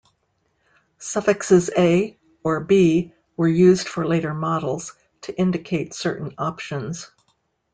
Suffixes "A" or "B" were used for later models, to indicate certain options.